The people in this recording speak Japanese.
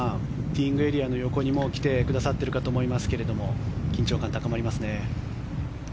ティーイングエリアの横に来てくださってると思いますが緊張感、高まりますね。